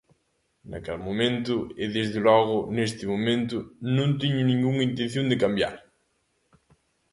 Naquel momento e, desde logo, neste momento, non teño ningunha intención de cambiar.